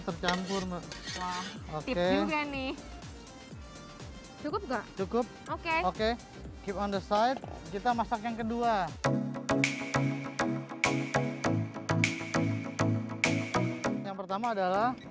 tercampur nah oke ini cukup enggak cukup oke oke kita masak yang kedua yang pertama adalah